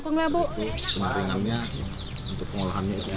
yang terbaik adalah yang terbaik adalah yang terbaik